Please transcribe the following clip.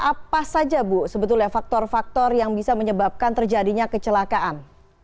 apa saja bu sebetulnya faktor faktor yang bisa menyebabkan terjadinya kecelakaan